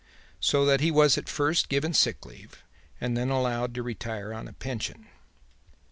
So that he was at first given sick leave and then allowed to retire on a pension."